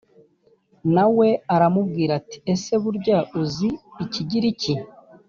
na we aramubwira ati ese burya uzi ikigiriki